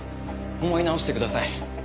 思い直してください。